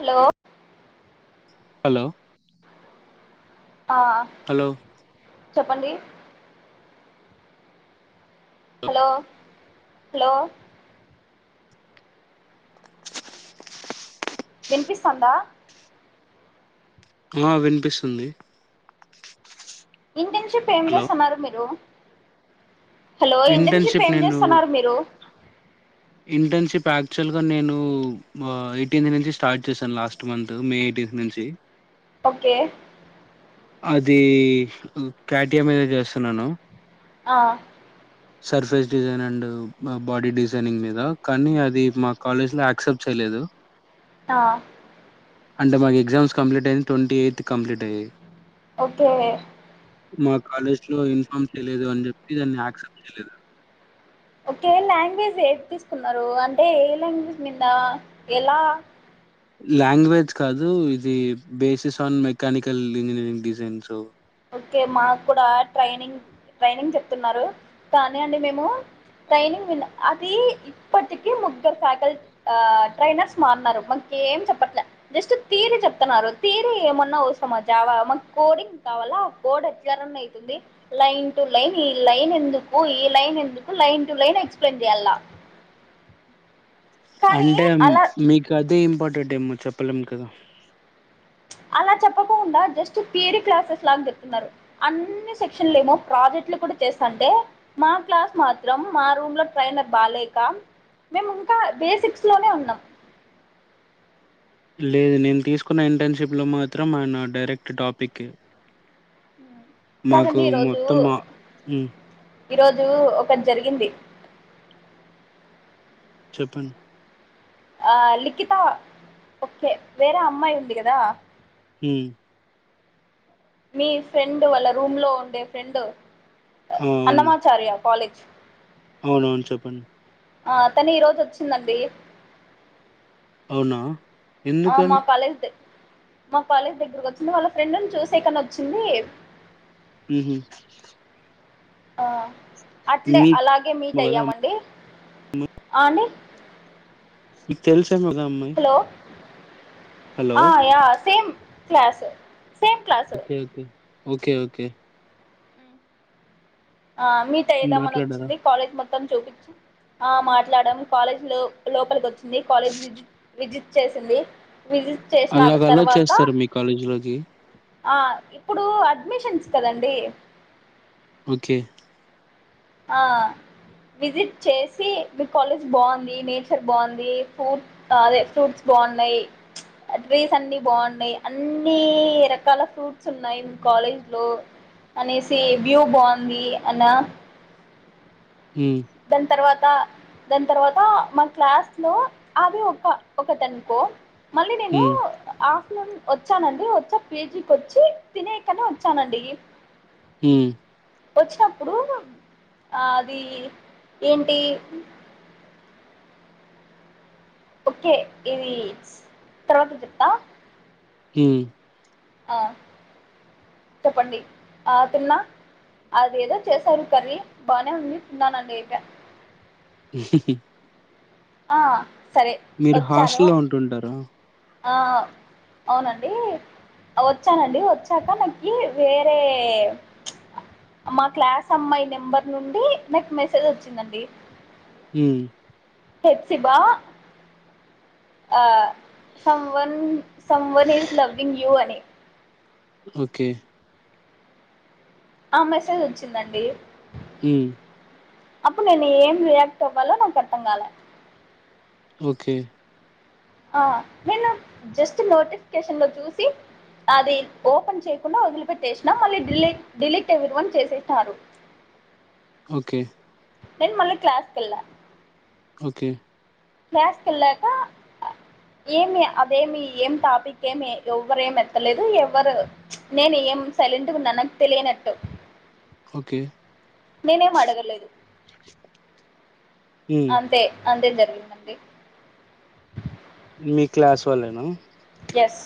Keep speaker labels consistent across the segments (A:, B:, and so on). A: Hello
B: hello
A: ఆ
B: hello
A: చెప్పండి hello hello వినిపిస్తన్దా
B: ఆ వినిపిస్తుంది
A: ఇంటర్న్షిప్ ఏం
B: హలో
A: చేస్తన్నారు మీరు హలో ఇంటర్న్షిప్ ఏం చేస్తున్నారు మీరు
B: ఇంటర్న్షిప్ యాక్చువల్ గా నేను ఎయిటీన్త్ నుంచి స్టార్ట్ చేశాను లాస్ట్ మంత్ మే ఎయిటీన్త్ నుంచి
A: ఓకే
B: అది క్యాటీయ మీద చేస్తున్నాను
A: ఆ
B: surface design and body designing మీద కానీ అది మా కాలేజ్ లో యాక్సెప్ట్ చేయలేదు
A: ఆ
B: అంటే మాకు exam complete [unintelligible] twenty eighth complete అయ్యయి
A: ఓకే
B: మా కాలేజ్ లో యూన్ఫామ్ చేయలేదు అని చెప్పి దాన్ని యాక్సెప్ట్ చేయలేదు
A: ఒకే లాంగ్వేజ్ ఏది తీసుకున్నారు అంటే ఏ లాంగ్వేజ్ మీద ఎలా
B: లాంగ్వేజ్ కాదు ఇది basis on mechanical engineering designs
A: okay మాకు కూడా ట్రైనింగ్ ట్రైనింగ్ చెప్తున్నారు కానీ అండి మేము ట్రైనింగ్ వి అది ఇప్పటికి ముగ్గుర్ ఫ్యాకల్ ఆ ట్రైనర్స్ మారన్నారు మకేం చెప్పట్లే జస్ట్ తీరి చెప్తున్నారు తీరి ఏమన్నా అవసరమా జావా మా కోడింగ్ కావాల కోడ్ అత్యారం అవుతుంది లైన్ టు లైన్ ఈ లైన్ ఎందుకు ఈ లైన్ ఎందుకు line to line to line explain చేయలా కానీ
B: అంటే
A: అలా
B: మీకు అదే ఇంపార్టెంట్ ఏమో చెప్పలేం కదా
A: అలా చెప్పకోకుండా జస్ట్ థియరీ క్లాసెస్ లాగా చెప్తున్నారు అన్ని సెక్షన్లు ఏమో ప్రాజెక్ట్లు కూడా చేస్తాంటే మా క్లాస్ మాత్రం మా రూమ్ లో ట్రైనర్ బాలేక మేము ఇంకా బేసిక్స్ లోనే ఉన్నాం
B: లేదు నేను తీసుకున్న ఇంటర్న్షప్ లో మాత్రం మన డైరెక్ట్ టాపికే మాకు
A: కాదండి
B: మొత్తం హ్మ్
A: ఈ రోజు ఒకటి జరిగింది
B: చెప్పండి
A: ఆ లిఖిత ఓకే వేరే అమ్మాయి ఉంది కదా
B: హ్మ్
A: మీ ఫ్రెండ్ వాళ్ళ రూమ్ లో ఉండే ఫ్రెండ్
B: అవును
A: సారి అపాలజీ
B: అవును అవును చెప్పండి
A: ఆతని ఈ రోజు వచ్చిందండి
B: అవునా
A: ఆ మా
B: ఎందుకని
A: కాలేజ్ దే మా కాలేజ్ దగ్గరకు వచ్చింది వాళ్ళ ఫ్రెండ్ని చూసేకని వచ్చింది
B: హ్మ్ హు
A: ఆ అట్లే
B: మీకు
A: అలాగే మీట్
B: కదా
A: అయ్యామండి ఆ అండీ
B: మీకు తెలుసేమోగ ఆ అమ్మాయ్
A: హలో ఆ yeah same class same class
B: okay okay okay
A: ఆ మీట్ అయిదామని
B: మాట్లాడారా
A: వచ్చింది కాలేజ్ మొత్తం చూపించి ఆ మాట్లాడము కాలేజ్ లో లోపలికి వచ్చి కాలేజ్ విజి విజిట్ చేసింది విజి చేసినారు
B: అలాగ అలో
A: తర్వాత
B: చేస్తారు మీ కాలేజ్ లోకి
A: ఆ ఇప్పుడు అడ్మిషన్స్ కదండి
B: ఓకే
A: ఆ విజిట్ చేసి మీ కాలేజ్ బాగుంది నేచర్ బాగుంది పూ అదే ఫ్రూట్స్ బాన్నాయ్ ట్రీస్ అన్ని బాన్నాయ్ అన్ని రకాల ఫ్రూట్స్ ఉన్నాయ్ మీ కాలేజ్ లో అనేసి వ్యూ బాగుంది అనా
B: హ్మ్
A: దాన్ తర్వాత దాన్ తర్వాత మా క్లాస్ లో అవి ఒక ఒకట అనుకో మళ్ళీ నేను
B: ఉమ్
A: ఆఫ్టర్నూన్ వచ్చానండి వచ్చా పేజీకి వచ్చి తినేకనీ వచ్చానండి
B: హ్మ్
A: వచ్చినప్పుడు ఆ అది ఏంటి ఓకే ఇది తర్వాత చెప్తా
B: హ్మ్
A: ఆ చెప్పండి ఆ తిన్నా అది ఏదో చేశారు కర్రీ బానే ఉంది. తిన్నానండి.
B: [unintelligible]
A: ఆ సరే
B: మీరు
A: ఒచ్చాను
B: హాస్టల్లో ఉంటుంటారా
A: ఆ అవునండి, వచ్చానండి వచ్చాక నాకి వేరే మా క్లాస్ అమ్మాయి నెంబర్ నుండి నాకు మెసేజ్ వచ్చిందండి.
B: మ్
A: తెచ్చి బా ఆ someone someone is loving you అని
B: ఓకే
A: ఆ మెసేజ్ వ.
B: మ్
A: అప్పుడు నేను ఏం రియాక్ట్ అవ్వాలో నాకు అర్థం కాలే
B: ఓకే
A: ఆ నేను జస్ట్ నోటిఫికేషన్ లో చూసి అది ఓపెన్ చేయకుండా వదిలిపెట్టేసినా మళ్ళీ డిలీట్ డిలీట్ ఎవ్వరివన్ చేసినారు. [inaudible]
B: ఓకే
A: నేను మళ్ళీ క్లాస్ కెళ్లా.
B: ఓకే
A: క్లాసు కెల్లాక ఏమి అదేమి ఏం టాపిక్ ఏమి ఎవ్వరూ ఏం ఎత్తలేదు ఎవరూ నేను ఏం సైలెంట్ గా ఉన్నా నాకు తెలియనట్టు.
B: ఓకే
A: నేనేమమీఅడగల్లేదు.
B: [inaudible] హ్మ్
A: అంతే అంతే జరిగిందండి.
B: మీ క్లాస్ వాళ్ళేనా?
A: ఎస్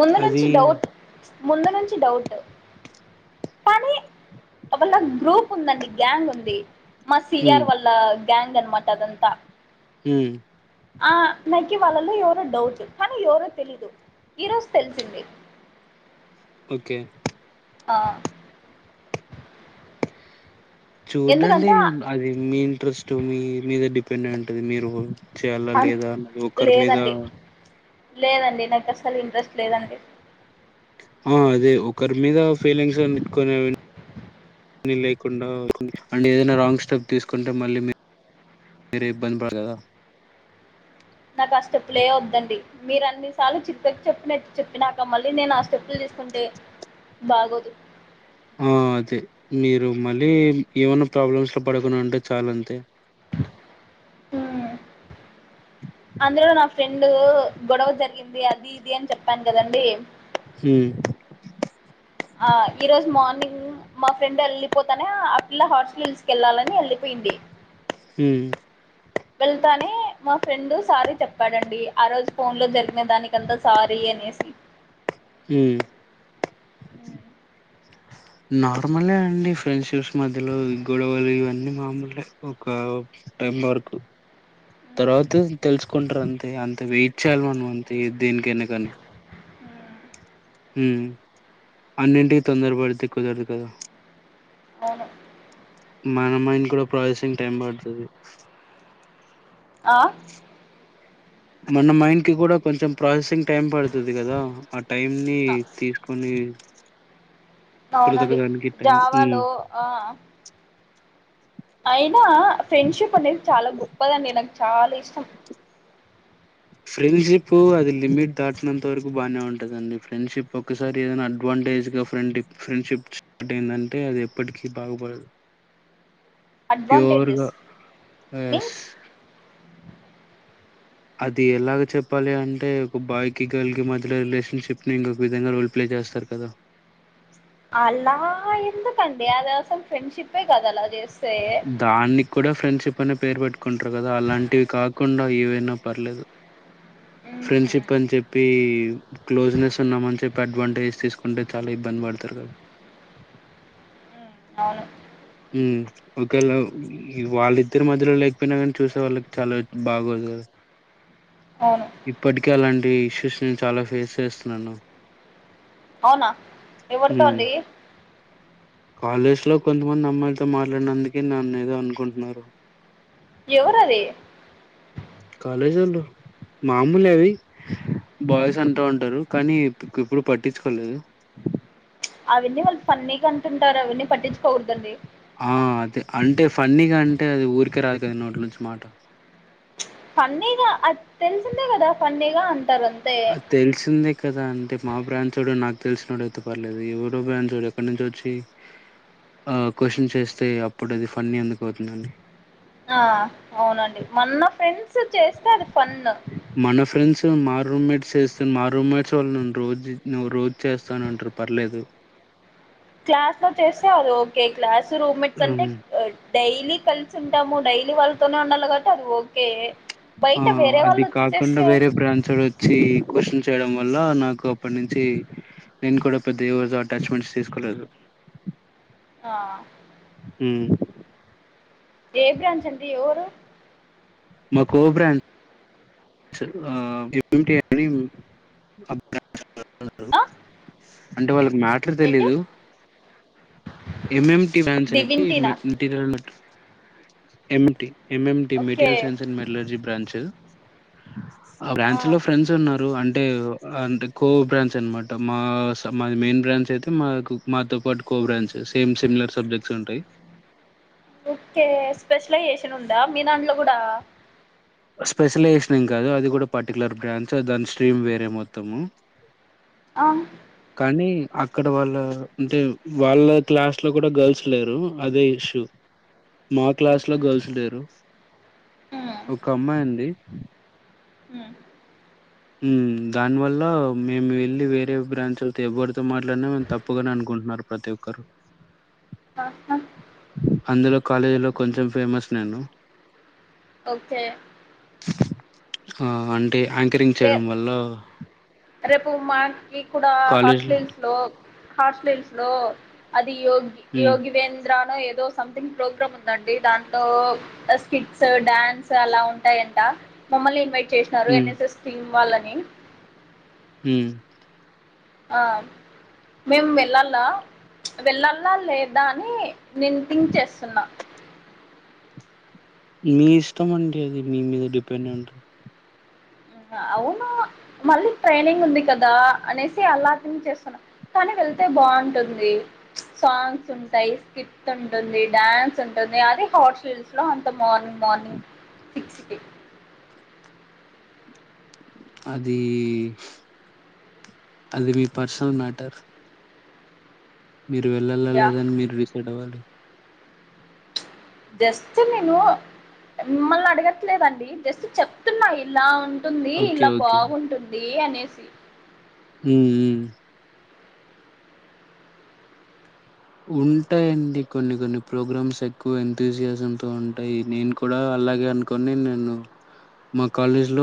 A: ముందు
B: అది
A: నుంచి డౌట్ ముందు నుంచి డౌట్ కానీ అబ్బా నా గ్రూప్ ఉందండి. గ్యాంగ్ ఉంది. మా
B: హ్మ్
A: సిఆర్ వాళ్ల గ్యాంగ్ అన్మాట అదంతా
B: మ్
A: ఆ నాకి వాళ్ళలో ఎవరో డౌట్ కానీ ఎవరో తెలీదు ఈ రోజు తెలిసింది.
B: ఓకే
A: ఆ
B: చూడండి
A: ఎందుకంటే
B: అది మీ ఇంట్రెస్ట్ మీ మీద డిపెండ్ అయ్యింటాది మీ రోల్. చేయాలా
A: అన్
B: లేదా ఒకరి మీద
A: లేదండి లేదండి నాకు అసలు ఇంట్రెస్ట్ లేదండి.
B: ఆ అదే ఒకరి మీద ఫీలింగ్స్ అన్నీ పెట్టుకొని లేకుండా అండ్ ఏదైనా రాంగ్ స్టెప్ తీసుకుంటే మళ్ళీ మీ మీరే ఇబ్బంది పడతారు గదా.
A: నాకు ఫస్ట్ స్లిప్ లే వద్దండి. మీరు అన్నిసార్లు చిలుకకు చెప్పినట్టు చెప్పినాక మళ్ళీ నేను ఆ స్టెప్పులు తీసుకుంటే బాగోదు.
B: ఆ అదే మీరు మళ్ళీ ఏమన్నా ప్రాబ్లమ్స్ లో పడకుండా ఉంటే చాలు అంతే.
A: హ అందులో నా ఫ్రెండ్ గొడవ జరిగింది అది ఇది అని చెప్పాను కదండి
B: ఉమ్మ్
A: ఆ ఈ రోజు మార్నింగ్ మా ఫ్రెండ్ వెళ్ళిపోతానే ఆ పిల్ల హౌర్సీ హిల్స్ కి వెళ్ళాలని వెళ్ళిపోయింది
B: ఉమ్మ్
A: వెళ్తానే మా ఫ్రెండ్ సారీ చెప్పాడండి ఆ రోజు ఫోన్ లో జరిగిన దానికంతా సారీ అనేసి
B: ఉమ్ నార్మలే అండి ఫ్రెండ్షిప్స్ మధ్యలో గొడవలు ఇవన్నీ మామూలే ఒక టైం వరకు తర్వాత తెలుసుకుంటారు అంతే అంత వెయిట్ చేయాలి మనం అంతే దేనికైన కానీ ఉమ్ అన్నింటికిీ తొందర పడితే కుదరదు కదా
A: అవును
B: మన మైండ్ కూడా ప్రాసెసింగ్ టైం పడుతది
A: ఆ
B: మన మైండ్ కి కూడా కొంచెం ప్రాసెసింగ్ టైం పడుతుంది కదా ఆ టైం ని తీ కొన్ని
A: అవునండి
B: టైం ఉమ్
A: జావాలో ఆ అయినా ఫ్రెండ్షిప్ అనేది చాలా గొప్పదండి నాకు చాలా ఇష్టం
B: ఫ్రెండ్షిప్ అది లిమిట్ దాటినంత వరకు బాగానే ఉంటదండి ఫ్రెండ్షిప్ ఒకసారి ఏదైనా అడ్వాంటేజ్గా ఫ్రెండ్ ఫ్రెండ్షిప్ స్టార్ట్ అయిందంటే అది ఎప్పటికీ బాగుపడదు ప్యూర్
A: అడ్వాంటేజెస్
B: గా ఎస్
A: మీన్స్
B: అది ఎలాగ చెప్పాలి అంటే ఒక బాయ్ కి గర్ల్ కి మధ్యలో రిలేషన్షిప్ని ఇంకొక విధంగా ప్లే చేస్తారు కదా
A: అలా ఎందుకండి అది అసలు ఫ్రెండ్షిప్ కాదు అలా చేస్త
B: దాన్ని కూడా ఫ్రెండ్షిప్ అనే పేరు పెట్టుకుంటారు కదా అలాంటివి కాకుండా ఏవైనా పర్లేదు
A: మ్మ్హ్మ్.
B: ఫ్రెండ్షిప్ అని చెప్పి పి క్లోజ్నెస్ ఉన్నామని చెప్పి అడ్వాంటేజ్ తీసుకుంటే చాలా ఇబ్బంది పడతారు కదా
A: అవును
B: ఉమ్ ఒకేళ వాళ్ళ ఇద్దరి మధ్యలో లేకపోయినా కానీ చూసే వాళ్ళకి చాలా బాగోదు కదా
A: అవును
B: ఇప్పటికే అలాంటి ఇష్యూస్ నేను చాలా ఫేస్ చేస్తున్నాను
A: అవునా ఎవరితో
B: ఉమ్
A: అండి
B: కాలేజ్ లో కొంతమంది అమ్మాయిలతో మాట్లాడినందుకే నన్ను ఏదో అనుకుంటున్నారు
A: ఎవరు అది
B: కాలేజ్ వాళ్ళు మామూలే అవి బాయ్స్ అంటా ఉంటారు కానీ ఇప్పుడు పట్టించుకోలేదు
A: అవన్నీ వాళ్ళు ఫన్నీ గా అంటుంటారు అవన్నీ పట్టించుకోకూడదు అండి
B: ఆ అదే అంటే ఫన్నీగా అంటే అది ఊరికే రాదు కద నోటి నుంచి మాట
A: ఫన్నీగా అది తెలిసిందే కదా ఫన్నీగా అంటారు అంతే
B: అది తెలిసిందే కదాంటే మా బ్రాంచ్ వాడు నాకు తెలిసినోడు అయితే పర్లేదు ఎవరో బ్రాంచ్ వాడు ఎక్కడి నుంచో వచ్చి
A: అ
B: ఆ క్వశ్చన్స్ చేస్తే అప్పుడు అది ఫన్నీ ఎందుకు అవుతుందండి.
A: ఆ అవునండి మన్న ఫ్రెండ్స్ చేస్తే అది పన్న.
B: మన ఫ్రెండ్స్ మా రూమ్మేట్స్ చేస్తాను మా రూమ్మేట్స్ వాల్ల రోజు ను్వు రోజు చేస్తాన అంటారు పర్లేదు.
A: క్లాస్ లో చేస్తే అ ఓకే క్లాస్ రూమ్మేట్స్ అంటే.
B: హ్మ్.
A: డైలీ కలిసి ఉంటాము డైలీ వాళ్ళతోనే ఉండాలి కాబట్టి అది ఓకే. బయట
B: ఆ
A: వేరే వాళ్ళు వచ్చి
B: అదికాకుడా
A: చేస్తే
B: వేరే బ్రాంచ్ వచ్చి క్యూస్షన్ చేయడం వల్ల నాకు అప్పటి నుంచి నేను కూడా పెద్ద ఎవరితోనూ అటాచ్మెంట్స్ తీసుకోలేదు.
A: ఆ
B: హ
A: ఏ బ్రాంచ్ అంటే ఎవరు
B: మా కో బ్రాడ్ [unintelligible]
A: ఆ
B: అంటే వాళ్ళకి మ్యాటర్
A: ఏంటి
B: తెలిదు ఎంఎటి బ్రాన్స్ అనిచేప్పి
A: డివింటీనా
B: material MA MMT
A: okay
B: material science and మెటజీ బ్రాంచె ఆ బ్రాంచ్ లో ఫ్రెండ్స్ ఉన్నారు అంటే అంటే కో బ్రాంచ్ అనమాట మా మాది మెయిన్ బ్రాంచ్ అయితే మాకు మాతో పాటు co branch. Same similar subjects ఉంటాయి.
A: ఓకే స్పెషలైజేసాన్ ఉందా మీ దాంలో కూడా
B: స్పెషలైజేషన్ం కాదు అది కూడా పర్టికులర్ బ్రాంచ్ దాని స్ట్రీమ్ వేరే మొత్తము
A: ఆ
B: కానీ అక్కడ వాళ్ళ అంటే వాళ్ళ క్లాస్ లో కూడా గర్ల్స్ లేరు అదే ఇష్యూ మా క్లాస్ లో గర్ల్స్ లేరు ఒక అమ్మాయి ఉంది
A: ఉ
B: దానివల్ల మేము వెళ్ళి వేరే బ్రాంచ్లతో ఎవరితో మాట్లాడినా మేము తప్పు తప్పుగానే అనుకుంటున్నారు ప్రతి ఒక్కరు.
A: హహ
B: అందులో కాలేజీలో కొంచెం ఫేమస్ నేను.
A: ఓకే
B: ఆ అంటే ఆయాంకరింగ్.
A: ల రేపు మాకి కూడా హార్ట్
B: కాలేజ్‌లో
A: స్లీవ్స్. లో హాస్టల్స్ లో అదియోగి
B: హ్మ్.
A: యోగివేంద్రనో ఏదో సంథింగ్ ప్రోగ్రామ్ ఉందండి దాంతో స్కిట్స్ డడాన్స్ అలా ఉంటాయంట. మమ్మల్ని ఇన్వైట్ చేసినారు
B: హ్మ్.
A: ఎన్ఎస్ఎస్ టీమ్ వాళ్ళని.
B: హ
A: ఆ మేము వెళ్ళాల వెళ్ళాల లేదా అని నిను థింక్ చేస్తున్నా
B: మీ ఇష్టం అండి అది మీ మీద డిపెండ్ అయ్యి ఉంటది
A: అవునా మళ్ళీ ట్రైనింగ్ ఉంది కదా అనేసి అల థింక్ చేస్తున్నా. కాని వెళ్తే బాగుంటుంది సాంగ్స్ ఉంటాయి స్క్రిప్ట్ ఉంటుంది డడాన్స్ ఉంటుంది అది హార్సీ హిల్స్ లో అంత మార్నింగ్ మార్నింగ్ సిక్స్కి.
B: అది అది మీ పర్సనల్ మ్యాటర్ మీరు వెళ్ళాలా
A: యా
B: లేదాని మీరు డిసైడ్ అవ్వాలి
A: జస్ట్ నేను మిమ్మల్ని అడగట్లేదండి జస్ట్ చెప్తున్నా ఇలా ఉంటుంది
B: ఓకే.
A: ఇలా
B: ఓకే.
A: బాగుంటుంది అనేసి
B: మ్మ్ ఉంటాయండి కొన్ని కొన్ని ప్రోగ్రామ్స్ ఎక్కువ ఎంతూజియాజ తో ఉంటాయి నేను కూడా అలాగే అనుకుని నేను మా కాలేజ్ లో